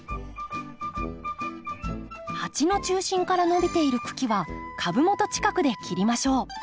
鉢の中心から伸びている茎は株元近くで切りましょう。